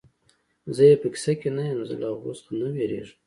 زه یې په کیسه کې نه یم، زه له هغو څخه نه وېرېږم.